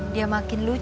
dia makin lucu